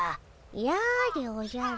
やでおじゃる。